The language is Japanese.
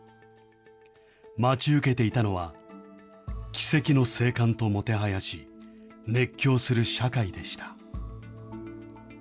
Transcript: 待ち受けていたのは、奇跡の生還ともてはやし、熱狂する社会でした。